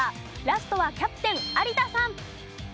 ラストはキャプテン有田さん。